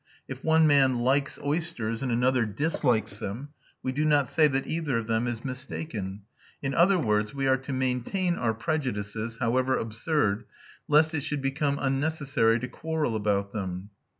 If one man likes oysters and another dislikes them, we do not say that either of them is mistaken." In other words, we are to maintain our prejudices, however absurd, lest it should become unnecessary to quarrel about them!